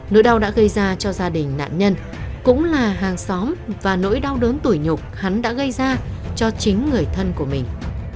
nỗi đau đã gây ra cho gia đình nạn nhân cũng là hàng xóm và nỗi đau đớn tuổi nhục hắn đã gây ra cho chính người thân của mình